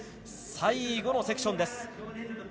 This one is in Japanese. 最後のセクションです。